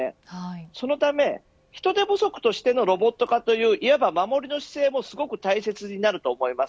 そのため人手不足としてのロボット化といういわば守りの姿勢もすごく大切になると思います。